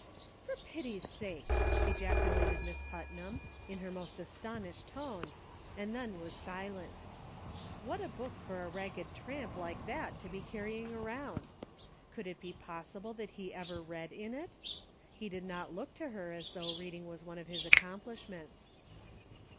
"For pity's sake!" ejaculated Miss Putnam, in her most astonished tone, and then was silent. What a book for a ragged tramp like that to be carrying around ! Could it be possible that he UNSEEN CONNECTIONS. 69 ever read in it ? He did not look to her as though reading was one of his accomplishments.